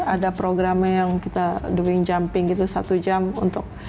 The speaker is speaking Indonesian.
ada programnya yang kita doving jumping gitu satu jam untuk